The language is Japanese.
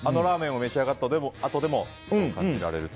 あのラーメンを召し上がったあとでもそう感じられると。